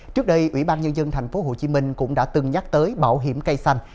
trước đây ủy ban nhân dân tp hcm cũng đã từng nhắc tới bảo hiểm cây xanh